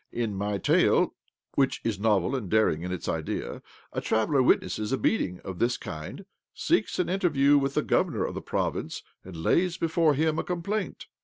In my tale (which is novel and daring in its idea) a traveller witnesses a beating of this kind, seeks an interview with the Зб OBLOMOV governor of the province, and lays before him a complaint.